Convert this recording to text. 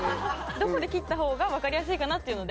どこで切った方が分かりやすいかなっていうので。